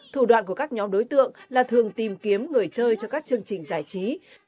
thủ đoạn của các nhóm đối tượng là thường tìm kiếm người chơi cho các chương trình giải trí